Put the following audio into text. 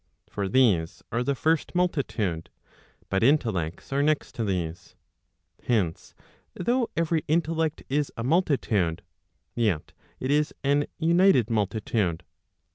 For these are the first multitude ; but intellects are next to these. Hence, though every intellect is a multitude, yet it is an united multitude.